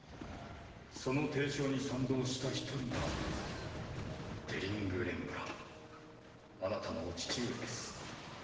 その提唱に賛同した一人がデリング・レンブランあなたのお父上です。